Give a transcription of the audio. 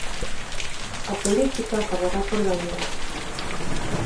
A política acabará por gañar.